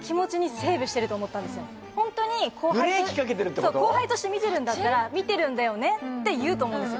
そう後輩として見てるんだったら「見てるんだよね」って言うと思うんですよ・